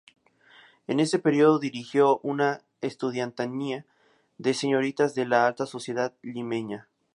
En ese período dirigió una estudiantina de señoritas de la alta sociedad limeña.